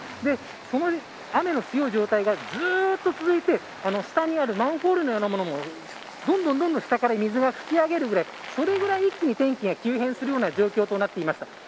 この雨の強い状態がずっと続いて下にあるマンホールのようなものもどんどん下から水が噴き上げるぐらいそれぐらい一気に天気が急変するような状況となっていました。